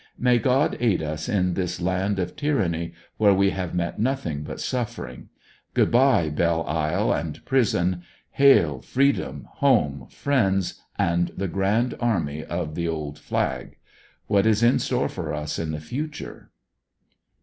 May God aid us in tills land of tyranny, where we have met nothing but suffering. Good bye, Belle Isle and Prison. Hail! Freedom, Home, Friends, and the 30 ANDER80NVILLE DIARY. Grand Army of the Old Flag ! What is in store for us in the future